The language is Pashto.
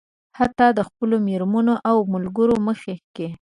حتيٰ د خپلو مېرمنو او ملګرو مخکې.